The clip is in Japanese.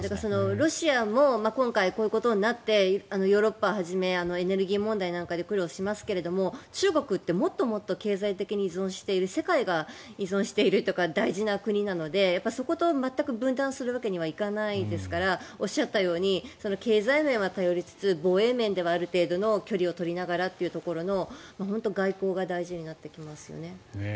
ロシアも今回こういうことになってヨーロッパをはじめエネルギー問題なんかで苦労しますけど中国ってもっと経済的に依存している世界が依存しているという大事な国なのでそこと全く分断するわけにはいかないですからおっしゃったように経済面は頼りつつ防衛面ではある程度の距離を取りながらというところの本当に外交が大事になってきますよね。